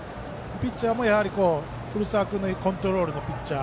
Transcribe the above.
ピッチャーもやはり古澤君はコントロールがいいピッチャー。